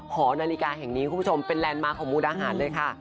หอนาฬิกาแห่งนี้คุณผู้ชมเป็นแลนดมาร์ของมุกดาหารเลยค่ะ